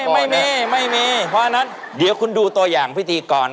ไม่มีไม่มีเพราะฉะนั้นเดี๋ยวคุณดูตัวอย่างพิธีกร